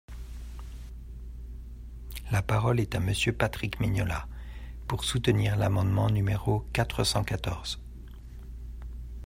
La parole est à Monsieur Patrick Mignola, pour soutenir l’amendement numéro quatre cent quatorze.